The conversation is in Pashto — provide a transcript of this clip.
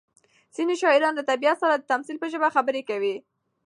ځینې شاعران له طبیعت سره د تمثیل په ژبه خبرې کوي.